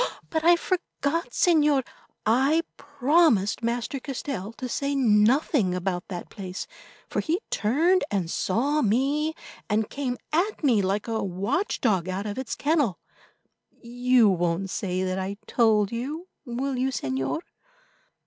But I forgot, Señor; I promised Master Castell to say nothing about that place, for he turned and saw me, and came at me like a watchdog out of its kennel. You won't say that I told you, will you, Señor?"